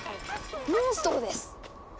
モンストロです！